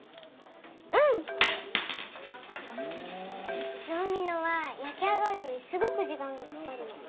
うん！上ミノは焼き上がるのにすごく時間がかかるの。